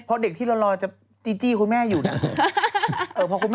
เพราะเด็กที่รอจะติจิคุณแม่อยู่น่ะ